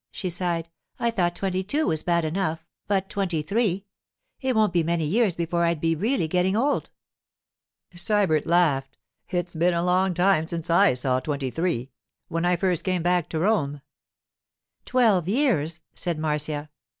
she sighed. 'I thought twenty two was bad enough—but twenty three! It won't be many years before I'll be really getting old.' Sybert laughed. 'It's been a long time since I saw twenty three—when I first came back to Rome.' 'Twelve years,' said Marcia.